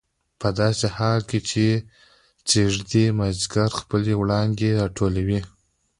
په داسې حال کې چې ځېږدي مازدیګر خپلې وړانګې راټولولې.